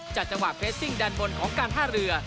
จังหวะเรสซิ่งด้านบนของการท่าเรือ